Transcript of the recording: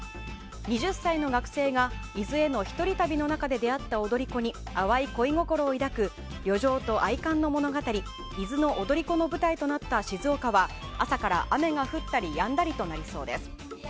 ２０歳の学生が伊豆への一人旅の中で出会った踊り子に淡い恋心を抱く旅情と哀歓の物語「伊豆の踊子」の舞台となった静岡は朝から雨が降ったりやんだりとなりそうです。